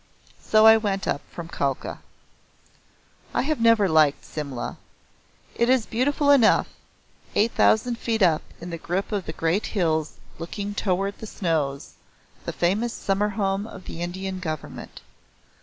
So I went up from Kalka. I have never liked Simla. It is beautiful enough eight thousand feet up in the grip of the great hills looking toward the snows, the famous summer home of the Indian Government.